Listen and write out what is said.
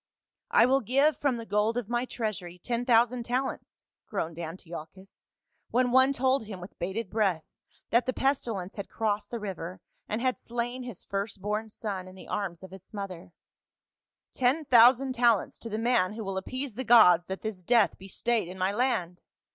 "' I will give from the gold of my treasury ten thousand talents,' groaned Antiochus, when one told him with bated breath that the pestilence had crossed the river and had slain his first born son in the arms of its mother, ' ten thousand talents to the man who will appease the gods, that this death be stayed in my land.'